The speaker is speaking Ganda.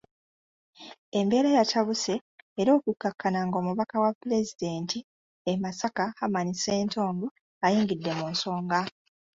Embeera yatabuse era okukkakana ng'omubaka wa Pulezidenti e Masaka Herman Ssentongo ayingidde mu nsonga.